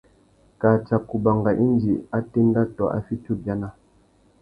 Kā tsaka ubanga indi a téndá tô a fiti ubiana.